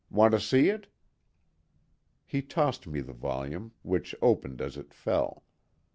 Want to see it?" He tossed me the volume, which opened as it fell.